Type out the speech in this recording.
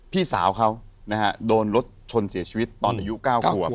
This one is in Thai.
พี่สาวเขานะฮะโดนรถชนเสียชีวิตตอนอายุ๙ขวบ